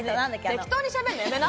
適当にしゃべるのやめな。